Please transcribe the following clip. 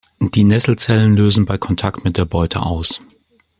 Die Nesselzellen lösen bei Kontakt mit der Beute aus.